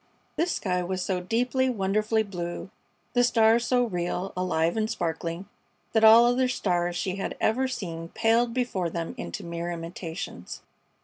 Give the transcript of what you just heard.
This sky was so deeply, wonderfully blue, the stars so real, alive and sparkling, that all other stars she had ever seen paled before them into mere imitations.